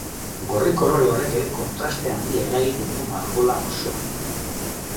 Gorri kolore horrek ere kontraste handia eragiten du margolan osoan.